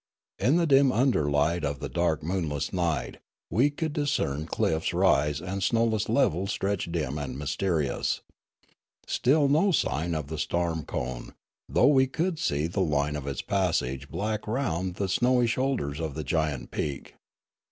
In the dim underlight of the dark moonless night we could discern cliffs rise and snowless levels stretch dim and mysterious. Still no sign of the storm cone, though we could see the line of its passage black round the snowy shoulders of the giant peak.